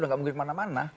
udah gak mungkin kemana mana